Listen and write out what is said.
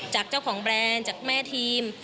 จากเจ้าของแบรนด์จากแม่ทีม